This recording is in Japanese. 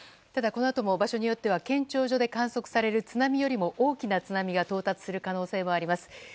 ただ、このあとも場所によっては検潮所で観測される津波よりも大きな津波が到達する可能性があります。